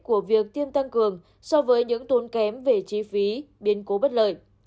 của việc tiêm tăng cường so với những tốn kém về chi phí biến cố bất lợi